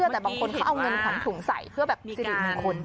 แต่บางคนเขาเอาเงินขวัญถุงใส่เพื่อแบบสิริมงคล